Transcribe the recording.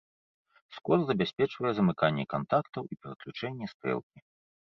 Скос забяспечвае замыканне кантактаў і пераключэнне стрэлкі.